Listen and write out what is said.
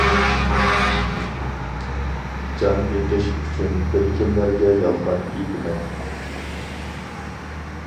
جان بېقىش ئۈچۈن بىر كىملەرگە يالغان ئېيتىمەن.